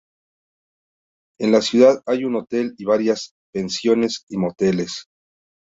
En la ciudad hay un hotel y varias pensiones y moteles.